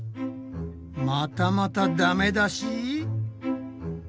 またまたダメ出し！？